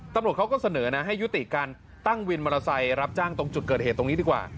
ตำรวจเขาก็เสนอนะให้ยุติการตั้งวินมอเตอร์ไซค์รับจ้างตรงจุดเกิดเหตุตรงนี้ดีกว่า